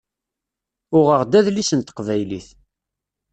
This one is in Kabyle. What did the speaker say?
Uɣeɣ-d adlis n teqbaylit.